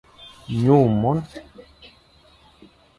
Nyu mon.